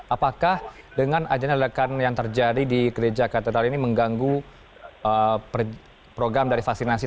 apakah dengan adanya ledakan yang terjadi di gereja katedral ini mengganggu program dari vaksinasi